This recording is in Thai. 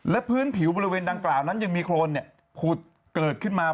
และพื้นผิวบริเวณดังกล่าวนั้นยังมีโครนผุดเกิดขึ้นมา